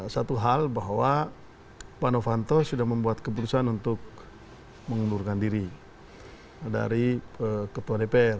satu hal bahwa pano fanto sudah membuat keputusan untuk mengundurkan diri dari keputuan dpr